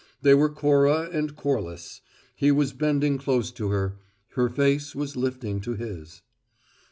They were Cora and Corliss; he was bending close to her; her face was lifting to his.